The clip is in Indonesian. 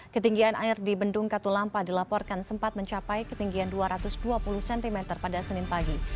ketinggian air di bendung katulampa dilaporkan sempat mencapai ketinggian dua ratus dua puluh cm pada senin pagi